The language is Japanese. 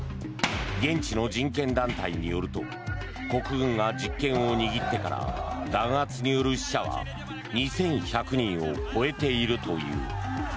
現地の人権団体によると国軍が実権を握ってから弾圧による死者は２１００人を超えているという。